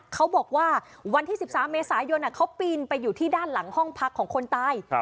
เขาบอกว่าวันที่๑๓เมษายนเขาปีนไปอยู่ที่ด้านหลังห้องพักของคนตาย